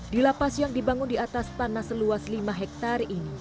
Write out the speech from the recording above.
di lapas yang dibangun di atas tanah seluas lima hektare ini